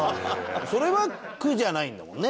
それは苦じゃないんだもんね？